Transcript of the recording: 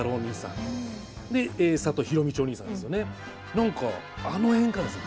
何かあの辺からですね